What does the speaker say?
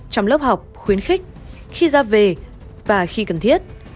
trong lớp học khuyến khích khi ra về và khi cần thiết